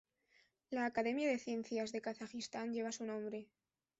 La Academia de Ciencias de Kazajistán lleva su nombre.